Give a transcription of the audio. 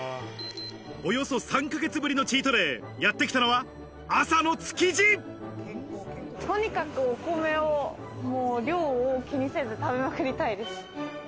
およそ３ヶ月ぶりのチートデとにかくお米を量を気にせず食べまくりたいです。